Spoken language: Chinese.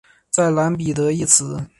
在蓝彼得一词。